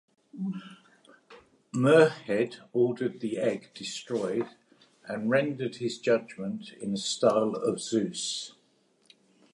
Muirhead ordered the egg destroyed and rendered his judgment in the style of Seuss.